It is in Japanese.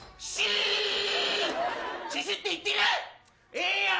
ええやん。